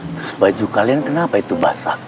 terus baju kalian kenapa itu basah